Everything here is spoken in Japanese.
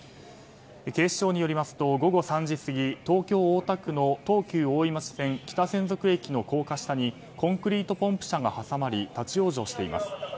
警視庁によりますと午後３時過ぎ東京・大田区の東急大井町線北千束駅の高架下にコンクリートポンプ車が挟まり立ち往生しています。